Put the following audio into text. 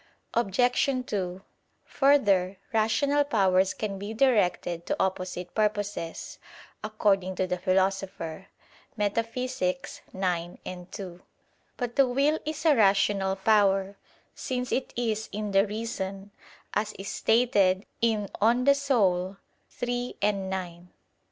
Obj. 2: Further, rational powers can be directed to opposite purposes, according to the Philosopher (Metaph. ix, 2). But the will is a rational power, since it is "in the reason," as is stated in De Anima iii, 9.